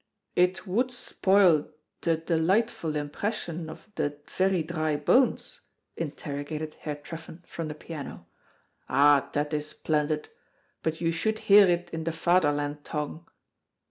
"It would spoil the delightful impression of the very dry bones?" interrogated Herr Truffen from the piano. "Ah, that is splendid; but you should hear it in the Fatherland tongue."